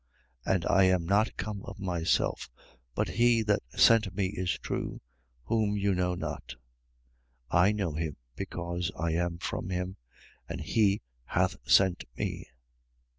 And I am not come of myself: but he that sent me is true, whom you know not. 7:29. I know him, because I am from him: and he hath sent me.